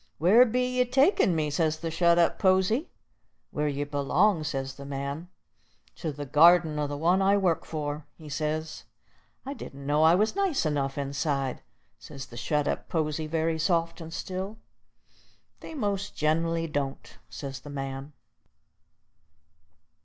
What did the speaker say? "Where be ye takin' me?" says the shet up posy. "Where ye belong," says the man; "to the gardin o' the one I work for," he says. "I didn't know I was nice enough inside," says the shet up posy, very soft and still. "They most gen'ally don't," says the man.